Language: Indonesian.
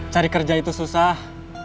cari kerja itu susah